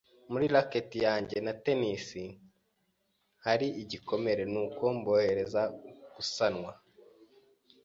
Muri racket yanjye ya tennis hari igikomere, nuko mbohereza gusanwa.